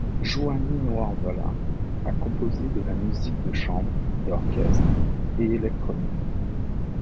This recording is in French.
Juhani Nuorvala a composé de la musique de chambre, d'orchestre, et électronique.